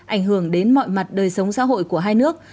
ảnh hưởng đến mọi mặt đời sống xã hội của hai nước